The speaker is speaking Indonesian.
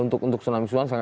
untuk tsunami susulan